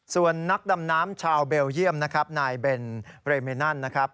ส่วนนักดำน้ำชาวเบลเยี่ยมนะครับนายเบนเรเมนันนะครับ